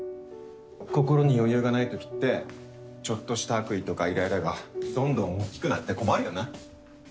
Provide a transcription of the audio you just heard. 心に余裕がないときってちょっとした悪意とかいらいらがどんどん大きくなって困るよな。